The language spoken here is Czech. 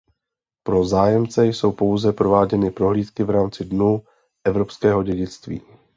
Pro zájemce jsou pouze prováděny prohlídky v rámci Dnů evropského dědictví.